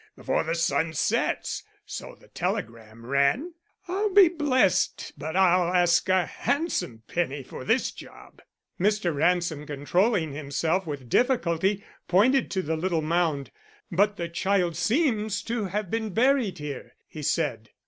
'Before the sun sets,' so the telegram ran. I'll be blessed but I'll ask a handsome penny for this job." Mr. Ransom, controlling himself with difficulty, pointed to the little mound. "But the child seems to have been buried here," he said.